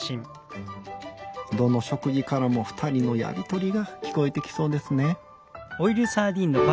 どの食事からもふたりのやり取りが聞こえてきそうですね。